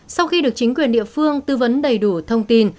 sau khi được chính quyền địa phương tư vấn đầy đủ thông tin